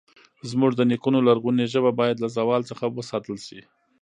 زموږ د نیکونو لرغونې ژبه باید له زوال څخه وساتل شي.